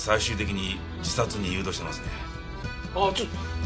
あっちょっと。